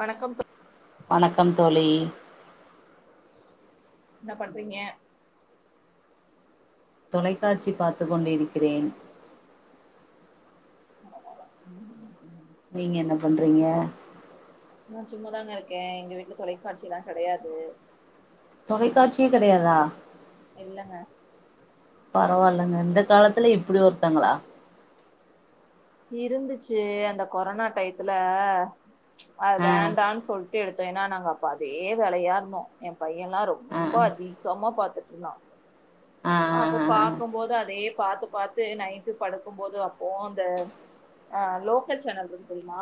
வணக்கம் தோ வணக்கம் தோழி என்ன பண்றீங்க தொலைக்காட்சி பாத்து கொண்டிருக்கிறே ஆமாமா நீங்க என்ன பண்றீங்க நா சும்மாதானங்க இருக்கே எங்க வீட்டுல தொலைக்காட்சில்லா கெடையாது தொலைக்காட்சியே கெடையாதா இல்லங்க பரவால்லைங்க இந்த காலத்துலயு இப்டி ஒருத்தங்களா இருந்துச்சு அந்த கொரோனா டையத்துல அ ஆ வேண்டான்னு சொல் ட்டு எடுத்தோ ஏன்னா நாங்க அப்ப அதே வேலையா இருந்தோ ஏ பையல்லா ஆ ரொம்ப அதிகமா பாத்துட்ருந்தா ஆ ஆ அப்ப ஆ பாக்கும்போது அதைய பாத்து பாத்து நைட்டு படுக்கும்போது அப்போ அந்த அ லோக்கல் சானல் இருக்கு தெரியுமா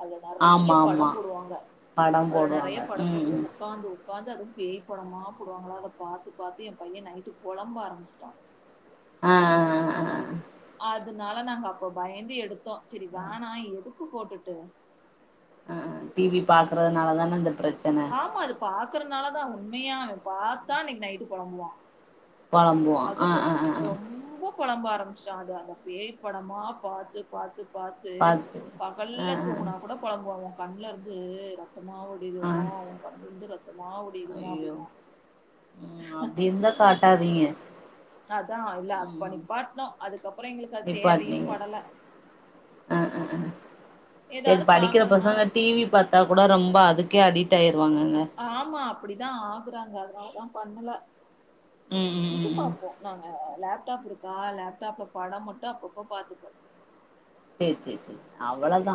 அதுல நறைய ஆமா படம் ஆமா போடுவாங்க படம் அதுல போடுவாங்க நறைய படம் ம் போடுது ம் உக்காந்து உக்காந்து அதுவு பேய் படமா போடுவாங்களா அதப் பாத்து பாத்து ஏ பையன் நைட்டு பொழம்ப ஆரம்பிச்சுட்டா ஆ ஆ ஆ அதுனால நாங்க அப்ப பயந்து எடுத்தோ சரி ஆ வேணா எதுக்கு போட்டுட்டு டி வி பாக்குறதுனால தானே இந்தப் பிரச்சனை ஆமா அது பாக்குறனால தா உண்மையா அவெ பாத்தா அன்னைக்கு நைட்டு பொழம்புவா பொழம்புவோம் ஆ அதும் ரொ ஆ ஆ ஆ ரொம்ப பொழம்ப ஆரம்பிச்சுட்டா அது அந்த பேய் படமா பாத்து பாத்து பாத்து ஆ பகல்ல ஆ தூங்னா கூட பொழம்புவாங்க கண்லருந்து ரத்தமாவரு ஆ ஆ. வடியுதுமா ஒ கண்லர்ந்து ரத்தமா வடியுதுமா ஐயோ அப்டிம்மா ம் அப்படி இருந்தா காட்டாதீங்க அதா இல்ல அப்ப ம் நிப்பாட்னோ அதுக்கப்பறொ எங்களுக்கு அது தேவையு படல அஅ அ சரி ஏதாவது படிக்கிற பார்க்கணும்னா பசங்க டி வி பாத் தா கூட ரொம்ப அதுக்கே அடிட் ஆயிடுவாங்கங்க ஆமா அப்டிதா ஆகுறாங்க அதனால தா பண்ணல ம் ம் இது ம் ம் பாப்போ நாங்க லேப்டாப் இருக்கா லேப்டாப்ல படம் மட்டு அப்பப்ப பாத்துப்போ செரி செரி செரி அவ்ளதா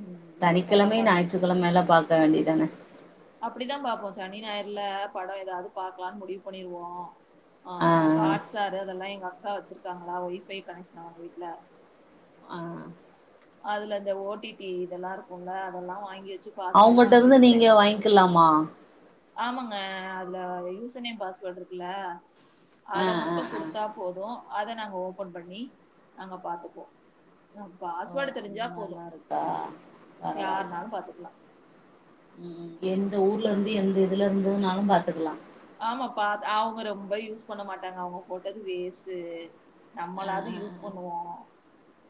ம் படம் சனிக்கெழமயு பாத்துப் ஞாயிற்று கெழமேல பாக்க வேண்டிதானே அப்டித்தா பாப்போ சனி ஞாயர்ல படொ எதாது பாக்கலானு முடிவு பண்ணிருவோ ஆ ஆ ஹாட்ஸ்டார் அதெல்லா எங்க அக்கா வச்சிருக்காங்களா வை பை கனெக்ஷன் அவுங்க வீட்ல ஆ அதுல இந்த ஓ டி டி இதெல்லா இருக்குல அதெல்லா வாங்கி வச்சு பாஸ்வேர்ட்லா வாங்கி அவுங்கள்ட்டருந்து வச்சுப்பே நீங்க வாங்கிக்லாமா ஆமாங்க அதுல யூசர்னேம் பாஸ்வேர்ட் இருக்குல்ல ஆ அத ஆ மட்டு ஆ குடுத்தா போது அத நாங்க ஓபன் பண்ணி நாங்க பாத்துப்போ ன பாஸ்வேர்டு தெரிஞ்சா போது அதுக்கா யார்னாலு பாத்துக்லா ம் எந்த ஊர்ல இருந்து எந்த இதுலருந்துனாலு பாத்துக்கலா ஆமாப்பா அவுங்க ரொம்ப யூஸ் பண்ண மாட்டாங்க அவுங்க போட்டது வேஸ்ட்டு ஆ நம்மளாது ஆ ஆ யூஸ் ஆ பண்ணுவோ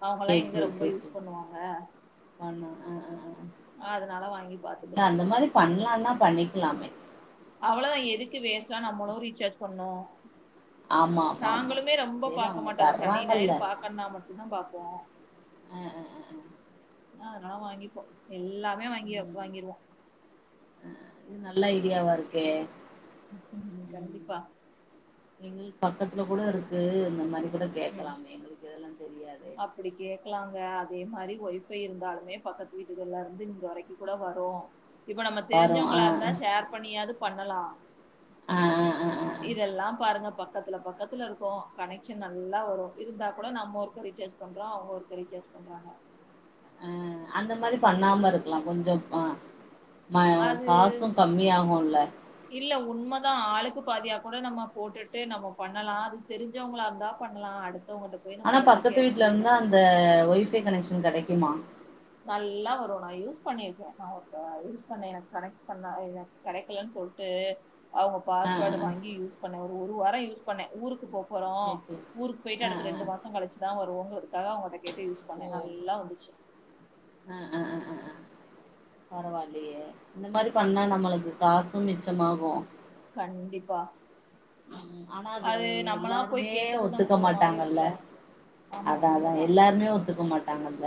அவுங்களா எங்க ரொம்ப யூஸ் பண்ணுவாங்க பண்வோ அ அ அதனால வாங்கி இல்ல பாத்துக்கிறது. அந்த மாரி பண்லானா பண்ணிக்லாமே அவ்வளோதா எதுக்கு வேஸ்ட்டா நம்மளு ரீசார்ஜ் பண்ணு ஆமா ஆமா ஆமா நாங்களுமே ரொம்ப சரி பாக்க அவங்க மாட்டோ இந்த சனி தர்றாங்கல்ல ஞாயிறு பாக்கனுனா மட்டுந்தா பாப்போ அ அ ஆ அதனாலா வாங்கிப்போ எல்லாமே வாங்கிய ம் வாங்கிருவோ நல்ல ஐடியாவா இர்க்கே கண்டிப்பா எங்களுக்கு பக்கத்துல கூட இருக்கு இந்த மாரி கூட கேக்லாமே எங்களுக்கு இதெல்லா தெரியாது அப்டி கேக்லாங்க அதே மாரி வைஃபை இருந்தாலுமே பக்கத்து வீட்டுகள்லருந்து இங்க வரைக்குகூட வரு இப்ப நம்ம பாரோ ஆ தெரிஞ்சவங்ளா இருந்தா ஷேர் பண்ணியாது பண்ணலா ஆ ஆ ஆ ஆ ஆ. இதெல்லாம் பாருங்கபா பக்கத்ல பக்கத்ல இருக்கோ கனெக்ஷன் நல்லா வரு இருந்தா கூட நம்மொருக் க்க ரீச்சார்ஜ் பண்றோ அவுங்க ஒருக்க ரீச்சார்ஜ் பண்றாங்க அ அந்த மாரி பண்ணாம இருக்லா கொஞ்சோப் அ ம அது காசூங் கம் மியாகுல்ல இல்ல உண்மதா ஆளுக்குப் பாதியா கூட நம்ம போட்டுட்டு நம்ம பண்ணலா அது தெரிஞ் ஞ்சவுங்ளா இருந்தா பண்ணலா அடுத்தோவுங்ட்டப் ஆனா பக்கத்து வீட்ல இருந்தா அந்த ஒய் பை கனெக்ஷன் கெடைக்குமா நல்லா வரு நா யூஸ் பண்ணிருக்கே நா ஒருட்ட யூஸ் பண்ணே எனக் கனெக்ட் பண்ணே எனக் கெடைக்கலன் சொல்ட்டு அவுங்க ஆ பாஸ்வேர்டு ஆ வாங்கி யூஸ் பண்ணே ஒரு ஒரு வாரோ யூஸ் பண்ணே ஊருக்கு போப் போறோ சேரி சேரி ஊருக்கு போயிட்டு ஆ அடுத்து ஆ ஆ. ரெண்டு மாசோங் கழிச்சுதா வருவோங்ளுதுக்காக அவுங்கட்ட கேட்டு யூஸ் பண்ணே நல்லா வந்துச்சு அ அ அ அ அ பரவாலையே இந்த மாரி பண்ணா நம்மளுக்கு காசூம் மிச்சமாகு கண்டிப்பா ம் ஆனா அது நம்மளா போய் எல்லாருமே கேக்குறது ஒத்துக்க நமக்கு ஒரு மாரி மாட்டாங்கல்ல இருக்குல்ல ஆமா அதா அதா உண்மதா எல்லாருமே ஒத்துக்க மாட்டாங்கல்ல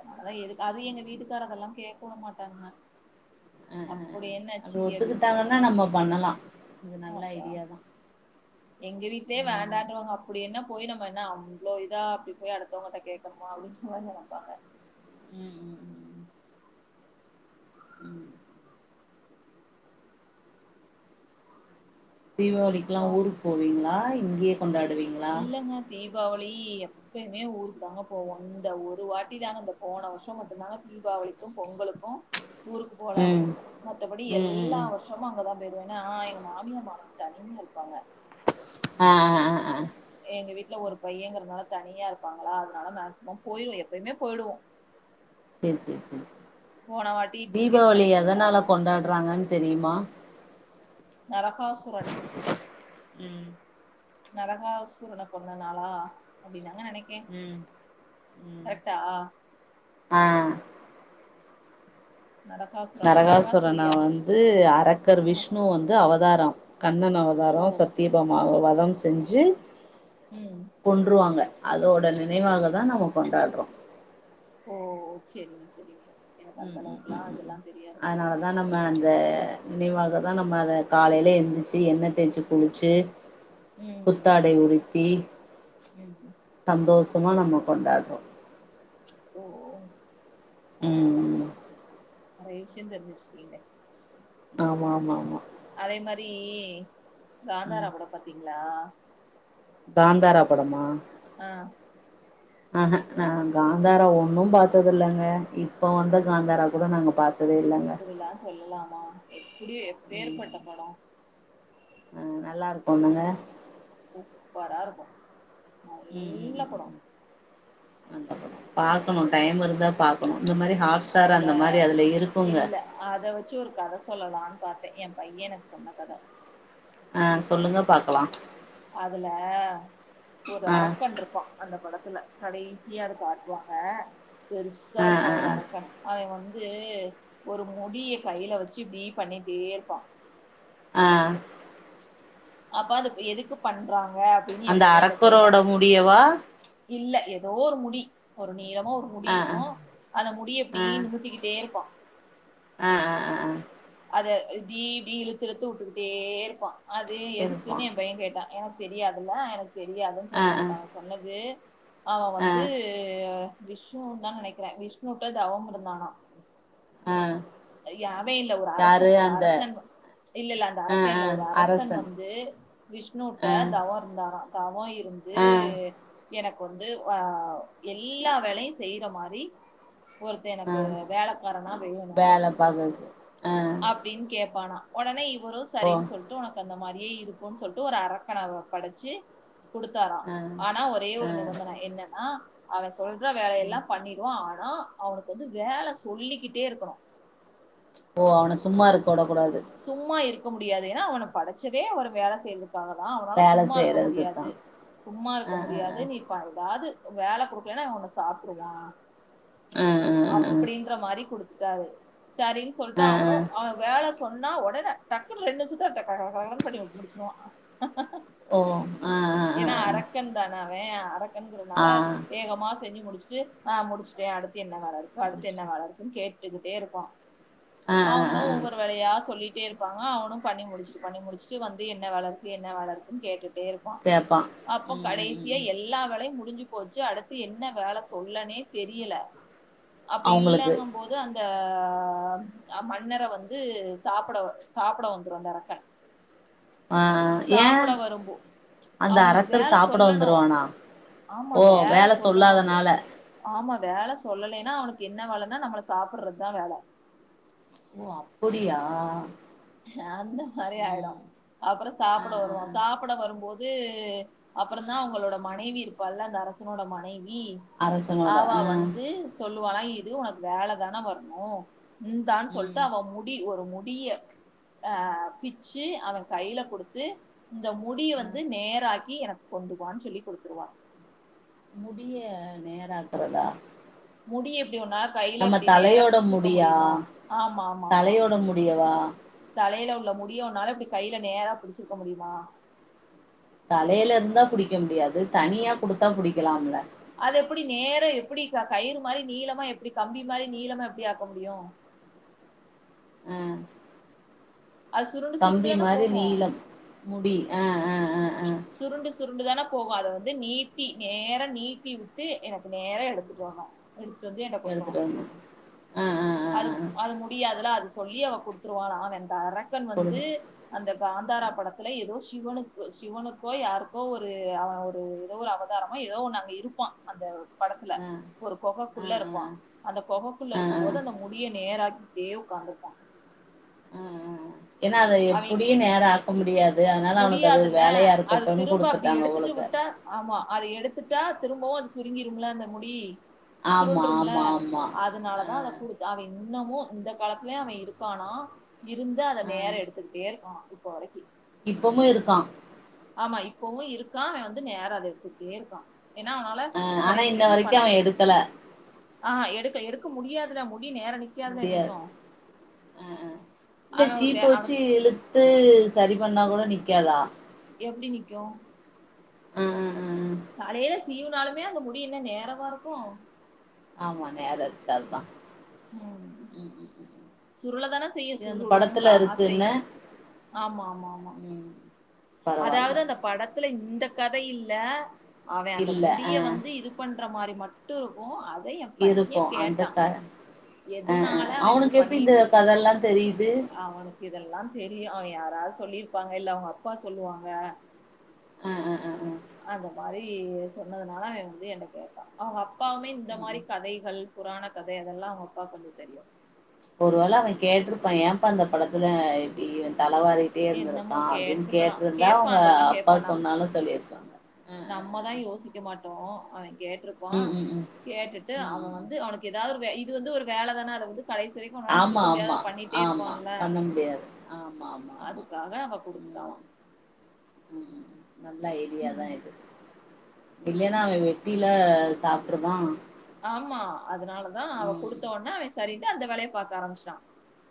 அதனால எதுக் அது எங்க வீட்டுக்காரங்கல்லா கேக்கவுட மாட்டாங்க அ அ அ அப்புடி என்னச்சி அப்படி அப்டின்ருவாங்க ஒத்துக்கிட்டாங்கன்னா நம்ம பண்ணலா இது நல்ல அதா ஐடியாதா எங்க வீட்லே ம் வேண்டான்டுவாங்க அப் அப்டி என்ன போய் நம்ம என்ன அவ்ளோ இதா அப்டி போய் அடுத்தவுங்கட்ட கேக்கணுமா அப்டின்ற மாரி நெனப்பாங்க ம் ம் ம் ம் ம் தீபாவளிக்லா அப்றோ ஊருக் போவீங்ளா இங்கே கொண்டாடுவீங் இல்லங்க தீபாவளி எப் எப்பயுமே ஊருக்கு தாங்க போவோ இந்த ஒரு வாட்டி தாங்க இந்த போன வருஷம் மட்டுந்தாங்க தீபாவளிக்கும் பொங்கலுக்கு ஊருக்கு போல ம் மத்தபடி ம் ம் எல்லா ம் வருஷ் ஷமா அங்கதா போயிருவோ எனா எங்க மாமியார் மாமனா தனியா இருப்பாங்க ஆ ஆ ஆ ஆ எங்க வீட்ல ஒரு பையங்கிறதுனால தனியா இருப்பாங்களா அதனால மேக்சிமம் போயிருவே எப்பயுமே போயிடுவோ சேர் சேர் சே சே போன வாட்டி டிக்கெட் தீபாவளி கெடைக்கலையா எதனால கொண்டாட்றாங்கன் தெரியிமா நரகாசுரன் ம் நரகாசுரன கொன்ன நாளா அப்டினாங்க நெனைக் கே ம் ம் கரெக்ட்டா ஆ நரகாசுரனா நரகாசுரன நரகாசுரியா வந்து அரக்கர் ஆ விஷ்ணு வந்து அவதாரோ கண்ணன் அவதாரோ ஓ சத்தியபாமாவ வதம் செஞ்சு ம் கொன்றுவாங்க அதோட நினைவாகதா நம்ம கொண்டாட்றோ ஓ செரிங்க செரிங்க எனக்கு அந்த ம் ம் அளவுக்குலா ம் இதெல்லா ம் தெரியாதுங்க அதனால தா நம்ம அந்த நினைவாக தா நம்ம அந்த நினைவாகதா நம்ம அத காலைல எந்திச்சி எண்ணெ தேச்சி குளிச்சு ம் புத்தாடை உடுத்தி ம் சந்தோஷமா நம்ம கொண்டாட்றோ ஓ ஓ ம் நெறைய விஷ்யொ தெரிஞ்சி வச்சிர்க்கீங்க ஆமா ஆமா ஆமா அதே மாரி காந்தாரா ம் கூட பாத்தீங்ளா காந்தாரா படமா ஆ அஹா நா காந்தாரா ஒன்னு பாத்ததில்லங்க இப்போ வந்த ச காந்தாரா கூட நாங்க பாத்ததே இல்லங்க இப்படிலா சொல்லலாமா எப்டி எப்பேர் ம் பட்ட படொ ஆ நல்லாருக்குல்லங்க சூப்பரா இருக்கு ம் ம் ம் நல்ல ம் படோ ம் பாக்கணு டைம் இருந்தா பாக்கணு இந்த மாரி ஹாட் ஸ்டார் அதுல அந்த மாரி அதுல இருக்குங்க இல்ல அத வச்சி ஒரு கத சொல்லலான் பாத்த ஏம் பைய எனக் சொன்ன கத ஆ சொல்லுங்க பாக்லா அதுல ஒரு ஆ அரக்கன்ருப் பா அந்த படத்துல கடைசியா இத காட்டுவாங்க ஆ பெருசாருப்பா ஆ ஒரு ஆ அரக்கன் அவே வந் து ஒரு முடிய கைல வச்சி இப்டீ பண்ணிட்டேர்ப்பா ஆ அப்பா அதுப் எதுக்கு பண்றாங்க அப்டின்னு எ அந்த பைய என்ட்ட கேட்டா அரக்கரோட முடியவா இல்ல எதோ ஒரு முடி ஒரு நீளமா ஒரு முடி ஆ ஆ இருக்கு அத முடிய இப்டி நுமுத்திகிட்டேருப்பா அ அ அ அ அத இப்டீ இப்டீ இழுத்துழுத்து உட்டுகுட்டே இருப்பா அது இருப்பா எதுக்கினு ஏம் பைய கேட்டா எனக் தெரியாதுல்ல எனக் தெரியாதுன் ஆ சொன்னே ஆ அதுக் அவெ சொன்னது அவ ஆ வந்தூ விஷ்ணு தா நெனக்ற விஷ்ணுட்ட தவம் இருந்தானா ஆ ய அவே இல்ல ஒரு அரச யாரு ஒரு அந்த அரசன் இல்லல்ல அந்த ஆ அரக்கே ஆ இல்ல ஒரு அரசன் வந்து விஷ்ணுட்ட ஆ தவொ இருந்தாரா தவொ இருந்து ஆ எனக் கொந்து வ எல்லா வேலையு செய்ற மாரி ஒருத்தே எனக்கு வேலக்காரனா வேணு பாகல் அப்டின் கேப்பானா ஒடனே இவரு போ சரின் சொல் ட்டு ஒனக் அந்த மாரியே இருக்குன் சொல்ட்டு ஒரு அரக்கன படச்சி குடுத்தாரா ஆ ஆனா ஒரே ஆ ஒரு நிபந்தன என்னன்னா அவே சொல்ற வேலயெல்லா ம் பண்ணிட் டு ஆனா அவ்னுக் வந்து வேல சொல்லிக்கிட்டே இருக்கணு ஓ அவன சும்மா இருக்க உடக்கூடாது சும்மா இருக்க முடியாது ஏனா அவன படச்சதே ஒரு வேல செய்றக் காகதா அவ்னால வேல சும்மாருக்க செய்யறதுக்கு தா முடியாது சும்மாருக்க ஆ ஆ முடியாது நீ க எதாவ்து வேல குடுக்லனா இவ ஒன்ன சாப்ட்ருவா ஆ ஆ ஆ அப்டின்ற மாரி குடுத்துட்டாரு சரின் சொல்ட்டு ஆ ஆ அவனு ஆ அவே வேல சொன்னா ஒடனே டக்குல் ரெண் நிம்ஷ்த்ல டக் கட கட கட கடன் பண்ணி முடிச்சிருவா ஓ ஆ ஆ ஆ எனா அரக்கன் தான அவே ஆ அரக்கன்ங்றனால ஆ வேகமா செஞ்சி முடிச் ச்சி ஆ முடிசிடே அடுத்து என்ன வேலருக்கு அடுத்து என்ன முடிச்ட்டு வேலருக்கு கேட்டுகிட்டேருப்பா ஆ ஆ அவங்களு ஆ ஆ ஒவ்வொரு வேலயா சொல்லிட்டேருப்பாங்க அவனு பண்ணி முடிச்ட்டு பண்ணி முடிச்ட்டு வந்து என்ன வேலர்க்கு என்ன வேலர்க்குன் கேட்டுட்டேருப் ப்பா கேப்பா அப்போ ம் ம் ம் கடைசியா ம் எல்லா வேலயு முடிஞ் போச்சி அடுத்து என்ன வேல சொல்லனே தெரியல அப்ப அவுங்களுக்கு இல்லங்கு போ து அந்த அ மன்னர வந்து சாப்ட சாப்ட வந்துரு அந்த அரக்கன் ஆ ஏ சாப்பிட வரும்போ அந்த அவனுக்கு அரக்கரு வேல சாப்புட சொல்லணு வந்துருவானா ஓ வேல சொல்லாதனால ஆமா வேல சொல்லலினா அவனுக் என்ன வேலன்னா நம்மள சாப்புரதா வேல ஓ அப்புடியா அ அந்த மாரியாய்டு அப்புறோ ஆ சாப்புட ஆ வருவோ ஆ சாப் புட வருபோது அப்புறதா அவங்களோட மனைவி இருப்பால்ல அந்த அரசனோட மனைவி அரசனோட ஆவா ஆ வந்து சொல்லுவாளா இது உனக் வேல தான வர்ணு இந்தான் ம் சொல்ட்டு அவ முடி ஒரு முடிய ஆ பிச்சி அவே கைல குடுத்து இந்த முடிய ஆ வந்து நேராக் கி எனக் கொண்டுவா சொல்லி குடுத்துருவா முடிய நேராக்றதா முடி எப்டி உன்னா கைலப்டி நேரா புடிச்சிருக்க முடியா முடியுமா ஆமா ஆமா ஆமா தலையோட முடியவா தலையில உள்ள முடிய உன்னால இப்பிடி கைல நேரா புடிச்சிருக்க முடியுமா தலையில இருந்தா புடிக்க முடியாது தனியா குடுத்தா புடிக்கலாம்ல அது எப்பிடி நேரா எப்படி க கயிறு மாரி நீளமா எப்படி கம்பி மாரி நீளமா எப்பிடி ஆக்க முடியு ஆ அது சுருண்டு சுருண்டு கம்பி தான மாரி போகு நீளம் முடி அ அ சுருண்டு சுருண்டு தான போகு அத வந்து நீட்டி நேரா நீட்டிவுட்டு எனக்கு நேரா எடுத்துட்டு வரனு எடுத்துட்டு வந்து ஏன்ட்ட எடுத்துட்டு வரனு அ அ அது அது முடியாதுல அது சொல்லி அவ ருடுத்துருவாளா வென்ட அரக்கன் வந்து குடுங்க அந்த காந்தாரா படத்துல எதோ சிவனுக் சிவனுக்கோ யாருக்கோ ஒரு ஒரு எதோ ஒரு அவ தாரமா எதோ ஒன்னு அங்க இருப்பா அந்த படத்துல ஆ ஒரு ஆ கொகக்குள்ள ஆ இருப்பா ஆ அந்த கொகக்குள்ள ஆ இருக்கு ஆ ஆ போது அந்த மு முடிய நேராக்கிடே உக்காந்துருப்பா ஆ ஆ ஏன்னா அத அவன் எப்புடியு நேரா ஆக் க்க முடியாது அதனால அவனுக்கு அது ஒரு முடியாதுல்ல வேலையா அது இருக்கட்டுன்னு திரும்ப அப்படி குடுத்துட்டாங்க எடுத்துட்டு அவுலுக்க விட்டா ஆமா அத எடுத்துட்டா திரும்பவு அது சுருங்கிரும்ல்லா அந்த முடி ஆமா சுருண்டுறும்ல ஆமா ஆமா ஆ அதுனாலதா அத குடுத் அவே இன்னமு இந்த காலத்துலயே அவ இருக்கானா இருந்து அத ஆ நேர எடுத்துக்கிட் டே இருக்கானா இப்ப வரக்கி இப்பமு இருக்கா ஆமா இப்பவு இருக்கா அவ வந்து நேரா அத எடுத்துக்கிட்டே இருக்கா என்னா அவனால ஆ ஆனா கடைசி இன்ன வரைக்கோ அத வரைக்கு பண்ண அவ முடி எடுக்கல ஆ எடுக்க எடுக்க முடியாதுடா முடி நேரா நிக் முடியாது அ அ இல்ல அவன் ஒரு சீப்ப வே- வச்சு அவனுக்கு இழுத் த்து சரி பண்ணா கூட நிக்காதா எப்டி நிக்கு அ அ அ அ தலையில சீவுனாலுமே அந்த முடி என்ன நேரவாருக்கு ஆமா நேரா இருக்காது தா ம் சுருள தான செய்யு இது அந்த சுருளு படத்துல இருக்குன்ன அசையு ஆமா ஆமா ஆமா ம் பரவால்ல அதாவது அந்த படத்துல இந்த கதை இல்ல அவ அந்த இல்ல அ முடிய வந்து இது பண்ற மாரி மட்டு இருக்கோ அத எ பைய இருக்கு அந்த கேட்டா க ஆ ஆ எதுனால அவ இப்டி அவனுக்கு எப்டி இந்த பண்ணிட்டு இருக்கு கதல்லா தெரியுது அவனுக் இதெல்லா தெரியு அவ யாராவது சொல்லியிருப்பாங்க இல்ல அவங்க அப்பா சொல்லுவாங்க ஆ ஆ ஆ ஆ அதா மாரி சொன்னதுனால அவ வந்து என்ன கேட்டா அவங்க அப்பாவுமே இந்த மாரி ம் கதைகள் புராண கத அதெல்லா அவங்க அப்பாக்கு கொஞ்சோ தெரியு ஒரு வேள அவே கேட்டிருப்பா ஏப்பா இந்த படத்துல இப்டி தலவாாரி கிட்டே என்னமோ இருந்திருக்கா அப்படின்னு கேட்டிருக்கலாம். கேட்டிருந்தா அவங்க கேட்பான் அப்பா சொன்னாலு சொல்லிருப்பாங்க ஆ ஆ ஆ நம்மதா ஆ யோசிக்க மாட்டோ அவன் கேட்டிருப்பா ம் ம் ம் கேட்டுட்டு ம் அவ ம் ம் வந்து அவனுக்கு ஏதாது ஒரு இது வந்து ஒரு வேல தான அது வந்து கடைசி வரைக்கோ உன்னால ஆமா முடிக்க ஆமா முடியாத ஆமா பண்ணிட்டேருப்பால்ல பண்ண முடியாது ஆமா ஆமா ஆமா அதுக்காக அவ ம் குடுத்துட்டாளா ம் நல்ல ஐடியாதா இது இல்லைன்னா அவ வெட்டில சாப்பிடுதா ஆமா அதனாலதா அவ கொடுத்தோன அவ சரின்ட்டு அந்த வேலைய பாக்க ஆரம்பிச்சிட்டா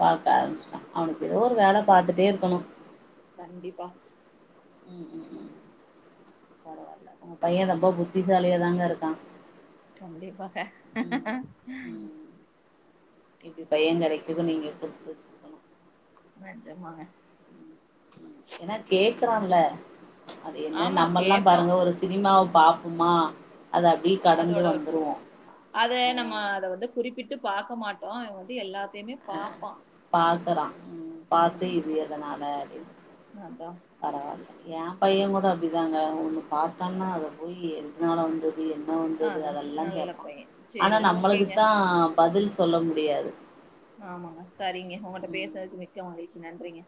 பாக்க ஆரம்பிச்சிட்டா அவனுக்கு ஏதோ ஒரு வேலை பாத்துட்டே இருக்கணு கண்டிப்பா ம் ம் ம் பரவால்ல பைய ரொம்ப புத்திசாலியா தாங்க இருக்கா கண்டிப்பாக ம் இப்டி பைய கிடைக்க நீங்க குடுத்து வச்சுருக்கனு நெஜமாங்க ஏன்னா கேக்குறான்ல அது என்ன ஆமா நம்மல்லா கேப்பான். பாருங்க ஒரு சினிமாவ பாப்போம்மா அத அப்டி அதோட விட்ருவோ அத நம்ம அத வந்து குறிப்பிட்டு பார்க்க மாட்டோ. அது வந்து எல்லாத்தையுமே அ பாப்பான். பாக்குறா பாத்து ம். இது எதன்னால அப்படின்னு அதான். பரவாயில்ல ஏ பைய கூட அப்டிதாங்க ஒன்னு பார்த்தான்னா அதை போய் எதனால வந்து என்ன வந்தது அதான். அதெல்லா நல்ல கேப்பா பையன். ஆனா சரி ஓகேங்க. நம்மளுக்குத்தா பதில் சொல்ல முடியாது ஆமாங்க சரிங்க ம் உங்களிட்ட மிக்க மகிழ்ச்சி நன்றிங்க